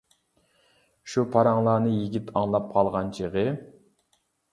شۇ پاراڭلارنى يىگىت ئاڭلاپ قالغان چىغى.